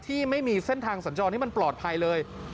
ที่ไม่มีเส้นทางสัญญาณที่มันปลอดภัยเลย